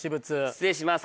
失礼します